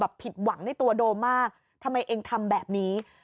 ผิดหวังในตัวโดมมากทำไมเองทำแบบนี้